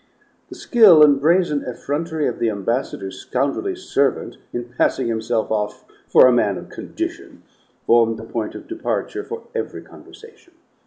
The skill and brazen effrontery of the ambassador's scoundrelly servant in passing himself off for a man of condition formed the point of departure for every conversation.